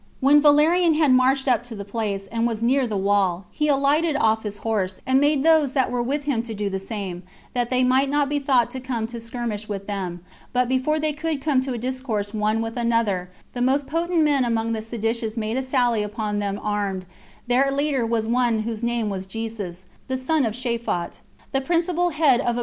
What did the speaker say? When Valerian had marched up to the place, and was near the wall, he alighted off his horse, and made those that were with him to do the same, that they might not be thought to come to skirmish with them; but before they could come to a discourse one with another, the most potent men among the seditious made a sally upon them armed; their leader was one whose name was Jesus, the son of Shaphat, the principal head of a band of robbers.